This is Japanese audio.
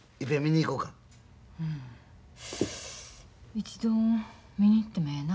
一度見に行ってもええな。